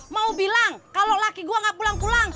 mau bilang kalau laki gua enggak pulang pulang